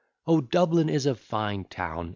O Dublin is a fine town, &c.